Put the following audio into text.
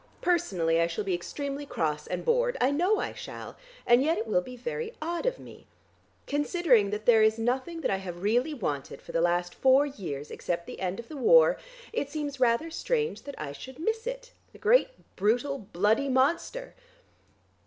Personally I shall be extremely cross and bored; I know I shall, and yet it will be very odd of me. Considering that there is nothing that I have really wanted for the last four years, except the end of the war, it seems rather strange that I should miss it, the great brutal, bloody monster.